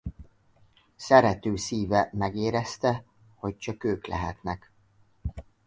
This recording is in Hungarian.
Szerető szíve megérezte, hogy csak ők lehetnek.